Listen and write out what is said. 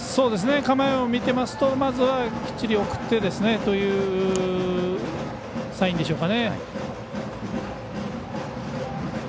構えを見ていますとまずはきちっと送ってというサインでしょうか。